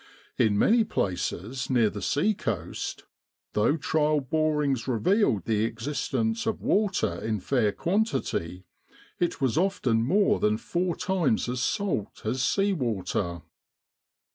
In many places near the sea coast, though trial borings revealed the existence of water in fair quantity, it was often more than four times as salt as sea water.